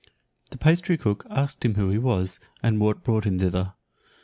The pastry cook asked him who he was, and what brought him thither.